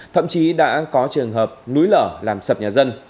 thậm chí đã có trường hợp núi lở làm sập nhà dân